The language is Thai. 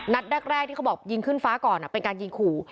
นัดแรกที่เขาบอกยิงขึ้นฟ้าก่อนเป็นการยิงขู่